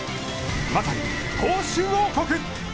まさに投手王国！